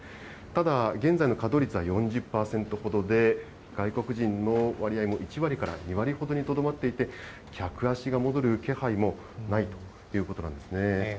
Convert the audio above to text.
ただ現在の稼働率は４０％ほどで、外国人の割合も１割から２割ほどにとどまっていて、客足が戻る気配もないということなんですね。